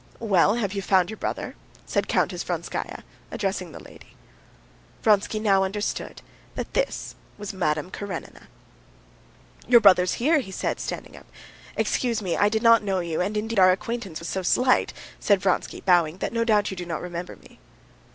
"Well, have you found your brother?" said Countess Vronskaya, addressing the lady. Vronsky understood now that this was Madame Karenina. "Your brother is here," he said, standing up. "Excuse me, I did not know you, and, indeed, our acquaintance was so slight," said Vronsky, bowing, "that no doubt you do not remember me."